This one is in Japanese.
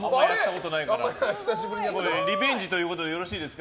リベンジということでよろしいですか。